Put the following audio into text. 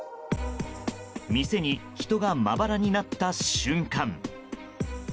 店に人がまばらになった瞬間。